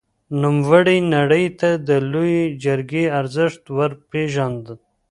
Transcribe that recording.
نوموړي نړۍ ته د لويې جرګې ارزښت ور وپېژاند.